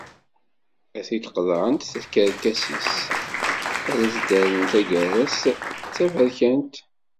Ad t-id-qeḍɣent tkerkas-is, ad as-rrent taggara-s d taberkant.